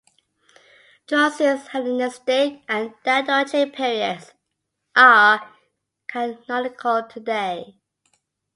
Droysen's "Hellenistic" and "Diadochi Periods" are canonical today.